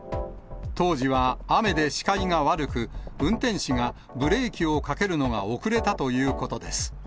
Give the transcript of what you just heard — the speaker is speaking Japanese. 当時は雨で視界が悪く、運転士がブレーキをかけるのが遅れたということです。